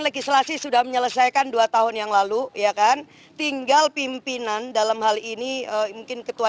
legislasi sudah menyelesaikan dua tahun yang lalu ya kan tinggal pimpinan dalam hal ini mungkin ketua